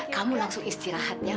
kamu langsung istirahat ya